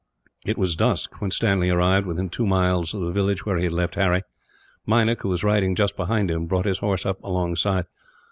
It was dusk when Stanley arrived within two miles of the village where he had left Harry. Meinik, who was riding just behind him, brought his horse up alongside.